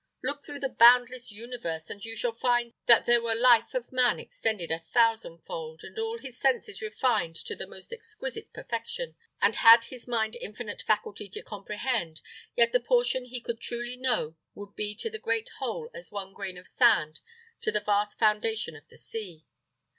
Look through the boundless universe, and you shall find that were the life of man extended a thousand fold, and all his senses refined to the most exquisite perfection, and had his mind infinite faculty to comprehend, yet the portion he could truly know would be to the great whole as one grain of sand to the vast foundation of the sea.